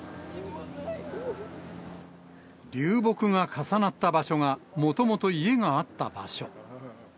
流木が重なった場所が、もともと家があった場所。